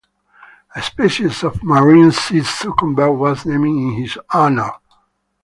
A species of marine sea cucumber was named in his honour.